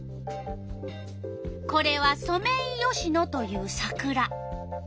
これはソメイヨシノというサクラ。